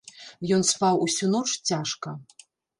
Ён спаў усю ноч цяжка.